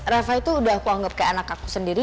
reva itu udah aku anggap kayak anak aku sendiri